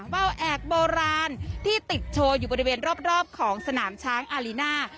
เบาแอกโบราณที่ติดโชว์อยู่บริเวณรอบของสนามช้างอารีน่า